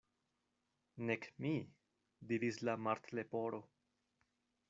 "Nek mi," diris la Martleporo.